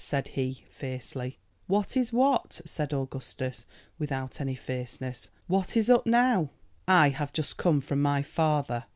said he, fiercely. "What is what?" said Augustus, without any fierceness. "What is up now?" "I have just come from my father."